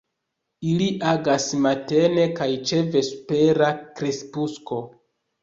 Ili agas matene kaj ĉe vespera krepusko.